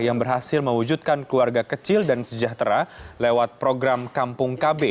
yang berhasil mewujudkan keluarga kecil dan sejahtera lewat program kampung kb